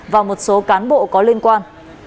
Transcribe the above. và một số cán bộ có liên quan